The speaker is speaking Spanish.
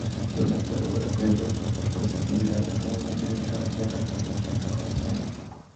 Fue una tregua breve, pues enseguida retomó una violenta guerra contra España.